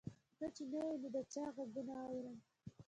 ته چې نه یې نو د چا غـــــــږونه اورم